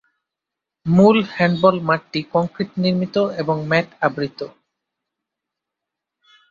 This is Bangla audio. মূল হ্যান্ডবল মাঠটি কংক্রিট নির্মিত এবং ম্যাট আবৃত।